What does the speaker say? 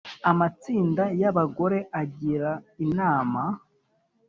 Amatsinda y ‘abagore agirana inama.